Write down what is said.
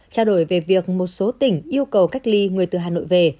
trao đổi về việc một số tỉnh yêu cầu cách ly người từ hà nội về